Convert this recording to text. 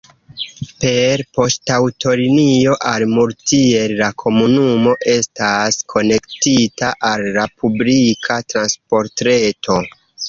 Per poŝtaŭtolinio al Moutier la komunumo estas konektita al la publika transportreto.